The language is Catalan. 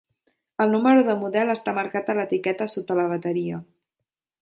El número de model està marcat a l'etiqueta sota la bateria.